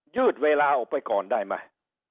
ยืดเวลาออกไปก่อนได้ไหม